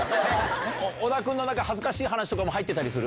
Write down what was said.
小田君の恥ずかしい話とかも入ってたりする？